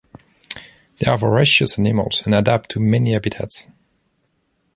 They are voracious animals and adapt to many habitats.